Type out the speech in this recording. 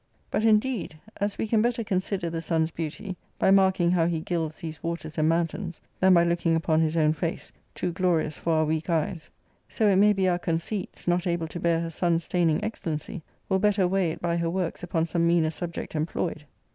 But, indeed, as we can better^consider the ,^. sun's beauty by marking how he gilds these_jwaters and mountains than by looking uj)on his own face, too glorious for our weak eyes ; so it may be our conceits — not able to bear her sun staining excellency—will better weigh it by her works upon some meaner subject employed.